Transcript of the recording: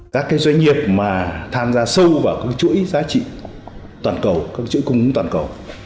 các doanh nghiệp mà tham gia sâu vào các chuỗi giá trị toàn cầu các chuỗi cung ứng toàn cầu